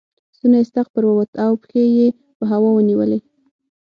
ستونی ستغ پر ووت او پښې یې په هوا ونیولې.